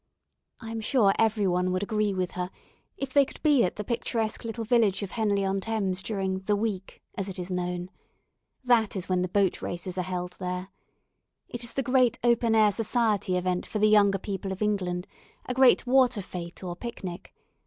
I am sure every one would agree with her, if they could be at the picturesque little village of Henley on Thames during "the week," as it is known. That is when the boat races are held there. It is the great open air society event for the younger people of England, a great water fête or picnic.